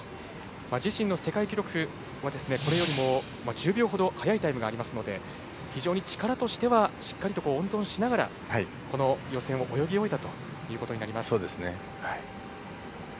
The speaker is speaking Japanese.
自身の世界記録はこれよりも１０秒ほど速いタイムがあるので力としてはしっかりと温存しながらこの予選を泳ぎ終えたということになります。